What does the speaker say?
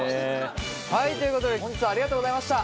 はいということで本日はありがとうございました。